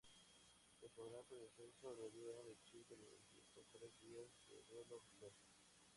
Tras confirmar su deceso el gobierno de Chile decretó tres días de duelo oficial.